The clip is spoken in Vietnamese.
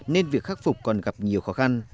nên việc khắc phục còn gặp nhiều khó khăn